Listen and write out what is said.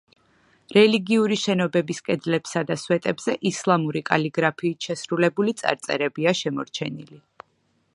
რელიგიური შენობების კედლებსა და სვეტებზე ისლამური კალიგრაფიით შესრულებული წარწერებია შემორჩენილი.